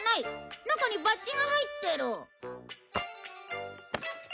中にバッジが入ってる。